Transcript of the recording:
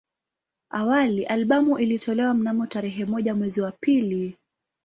Awali albamu ilitolewa mnamo tarehe moja mwezi wa pili